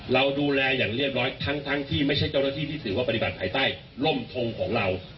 เราดูแลอย่างเรียบร้อยทั้งที่ไม่ใช่เจ้าหน้าที่ที่ถือว่าปฏิบัติภายใต้ร่มทงของเรา